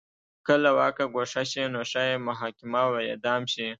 که له واکه ګوښه شي نو ښايي محاکمه او اعدام شي.